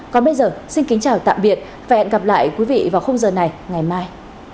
còn bây giờ xin kính chào tạm biệt và hẹn gặp lại quý vị vào khung giờ này ngày mai